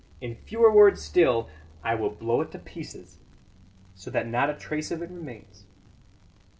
In fewer words still I will blow it to pieces, so that not a trace of it remains.